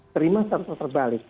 terima serta terbalik